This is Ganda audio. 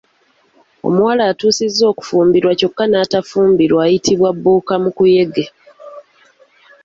Omuwala atuusizza okufumbirwa kyokka n’atafumbirwa ayitibwa bbuukamukuyege.